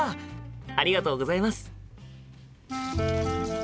ありがとうございます。